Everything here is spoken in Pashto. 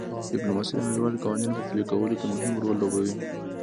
ډیپلوماسي د نړیوالو قوانینو په پلي کولو کې مهم رول لوبوي